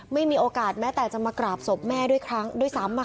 ไม่มีโอกาสแม้แต่จะมากราบศพแม่ด้วยครั้งด้วยซ้ำ